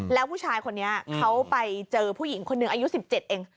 แล้วผู้ชายคนนี้เขาไปเจอผู้หญิงคนหนึ่งอายุ๑๗เอง